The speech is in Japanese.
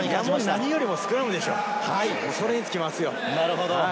何よりもスクラムでしょ、それに尽きます。